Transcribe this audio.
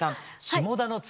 「下田の椿」